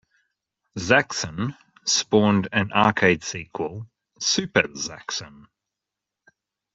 "Zaxxon" spawned an arcade sequel: "Super Zaxxon".